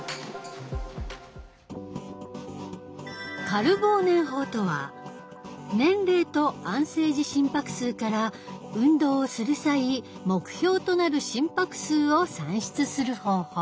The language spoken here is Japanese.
カルボーネン法とは年齢と安静時心拍数から運動をする際目標となる心拍数を算出する方法。